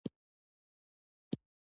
مچۍ او مېږي د خوړو ځای یو بل ته ښيي.